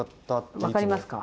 分かりますか？